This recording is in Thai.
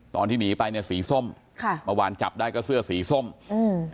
ตอนที่หนีไปเนี้ยสีส้มค่ะเมื่อวานจับได้ก็เสื้อสีส้มอืม